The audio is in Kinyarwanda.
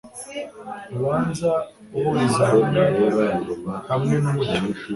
ubanza uhuriza hamwe hamwe numucyo